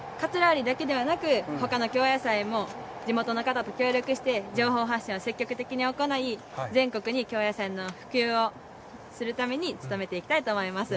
うりだけではなくほかの京野菜も地元の方と協力して情報発信を積極的に行い全国に京野菜の普及をするために努めていきたいと思います。